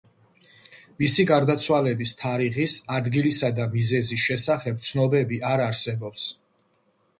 მისი გარდაცვალების თარიღის, ადგილისა და მიზეზის შესახებ ცნობები არ არსებობს.